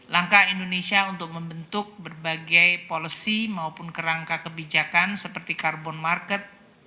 langkah indonesia untuk membentuk berbagai policy maupun kerangka kebijakan seperti carbon market